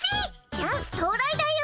チャンス到来だよ！